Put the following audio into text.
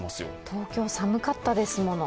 東京、寒かったですもの。